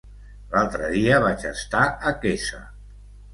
L'altre dia vaig estar a Quesa.